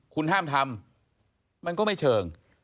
คุณห้ามทำมันก็ไม่เชิง